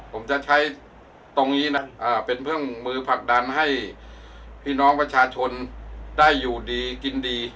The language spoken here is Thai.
ผมจะใช้ตรงนี้นะเป็นเครื่องมือผลักดันให้พี่น้องประชาชนได้อยู่ดีกินดี